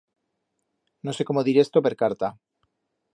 No sé cómo dir esto per carta.